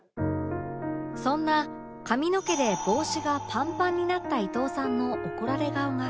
そんな髪の毛で帽子がパンパンになった伊藤さんの怒られ顔が